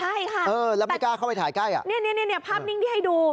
ใช่ค่ะเออแล้วไม่กล้าเข้าไปถ่ายใกล้อ่ะเนี่ยภาพนิ่งที่ให้ดู